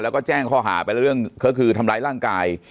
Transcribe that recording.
แล้วก็แจ้งข้อหาไปแล้วเรื่องเขาคือทำร้ายร่างกาย